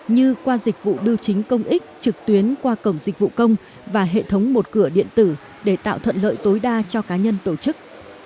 như qua dịch vụ biêu chính công ích trực tuyến qua cổng dịch vụ công và hệ thống một cửa điện tử để tạo thuận lợi tối đa cho cá nhân tổ chức